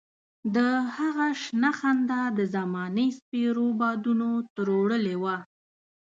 د هغه شنه خندا د زمانې سپېرو بادونو تروړلې وه.